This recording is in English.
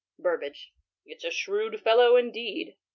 Burhage, It 's a shrewd fellow indeed."